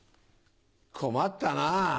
困ったな。